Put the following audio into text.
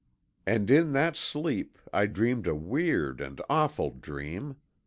And in that sleep I dreamed a weird and awful dream.